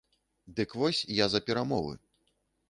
Дык вось, я за перамовы.